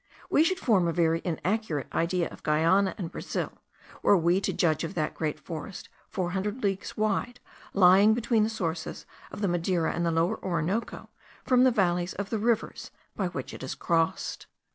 We should form a very inaccurate idea of Guiana and Brazil, were we to judge of that great forest four hundred leagues wide, lying between the sources of the Madeira and the Lower Orinoco, from the valleys of the rivers by which it is crossed.